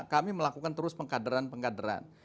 kami melakukan terus pengkaderan pengkaderan